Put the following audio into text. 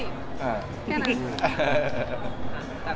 แค่นั้น